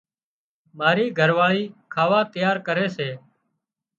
مارِي گھر واۯِي کاوا تيار ڪري سي۔